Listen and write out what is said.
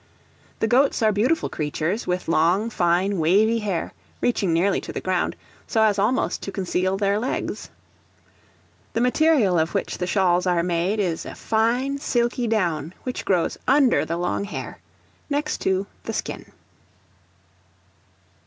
The goats are beautiful creatures, with long, fine, wavy hair, reaching nearly to the ground, so as almost to conceal their legs. The material of which the shawls are made is a fine silky down, which grows under the long hair, next to the skin.